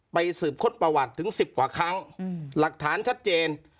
สืบค้นประวัติถึง๑๐กว่าครั้งหลักฐานชัดเจน